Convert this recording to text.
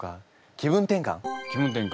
気分転換。